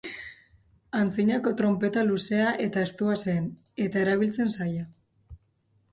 Antzinako tronpeta luzea eta estua zen, eta erabiltzen zaila.